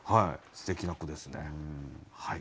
すてきな句ですね。